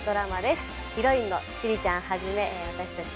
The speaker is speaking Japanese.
ヒロインの趣里ちゃんはじめ私たち